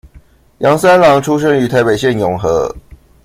楊三郎出生於台北縣永和